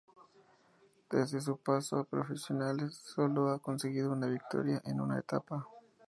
Desde su paso a profesionales sólo ha conseguido una victoria en una etapa.